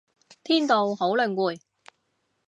天道好輪迴